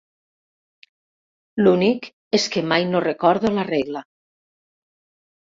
L'únic és que mai no recordo la regla.